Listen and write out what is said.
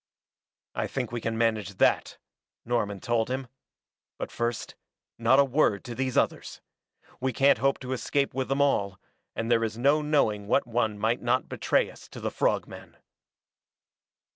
"I think we can manage that," Norman told him. "But first not a word to these others. We can't hope to escape with them all, and there is no knowing what one might not betray us to the frog men."